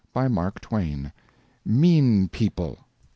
BY MARK TWAIN. MEAN PEOPLE.